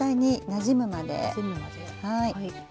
なじむまで。